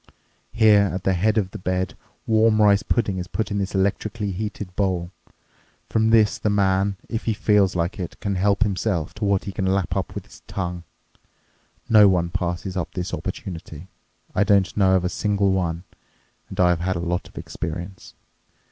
Here at the head of the bed warm rice pudding is put in this electrically heated bowl. From this the man, if he feels like it, can help himself to what he can lap up with his tongue. No one passes up this opportunity. I don't know of a single one, and I have had a lot of experience.